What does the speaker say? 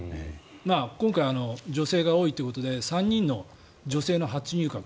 今回女性が多いということで３人の女性の初入閣。